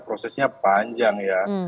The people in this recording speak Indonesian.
prosesnya panjang ya